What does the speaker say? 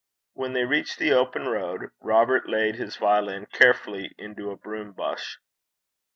When they reached the open road, Robert laid his violin carefully into a broom bush.